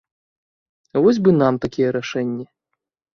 Вось бы нам такія рашэнні!